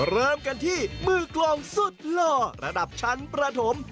เริ่มกันที่มือกลองสุดหล่อระดับชั้นประถม